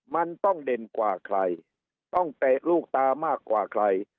มันต้องเด่นกว่าใครต้องเตะลูกตามากกว่าใคร